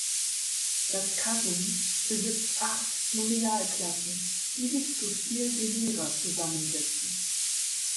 Das Kasem besitzt acht Nominalklassen, die sich zu vier Genera zusammensetzen.